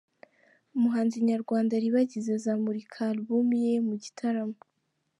Umuhanzi nyarwanda Ribagiza azamurika Alubumu ye mu gitaramo